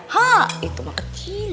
hah itu mah kecil